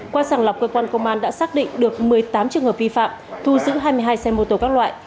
qua sàng lọc cơ quan công an đã xác định được một mươi tám trường hợp vi phạm thu giữ hai mươi hai xe mô tô các loại